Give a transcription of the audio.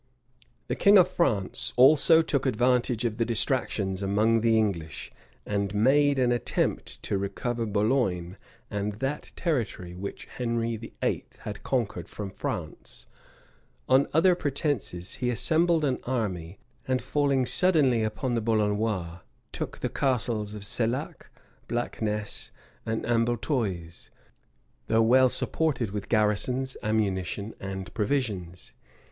The king of France also took advantage of the distractions among the English, and made an attempt to recover Boulogne and that territory which Henry VIII. had conquered from France, On other pretences, he assembled an army, and falling suddenly upon the Boulonnois, took the castles of Sellaque, Blackness, and Ambleteuse, though well supplied with garrisons, ammunition, and provisions.